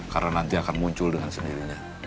karena nanti akan muncul dengan sendirinya